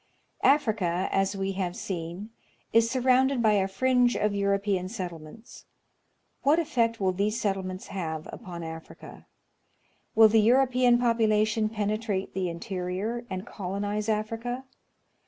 Africa, as we have seen, is surrounded by a fringe of Euro pean settlements. What effect will these settlements have upon Africa? Will the European population penetrate the interior, and colonize Africa